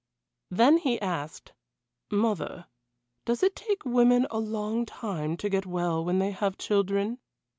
Then he asked: "Mother, does it take women a long time to get well when they have children?